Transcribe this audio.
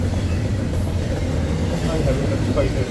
I have a pet spider.